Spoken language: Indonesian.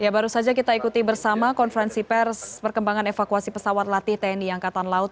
ya baru saja kita ikuti bersama konferensi pers perkembangan evakuasi pesawat latih tni angkatan laut